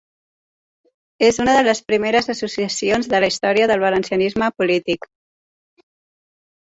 És una de les primeres associacions de la història del valencianisme polític.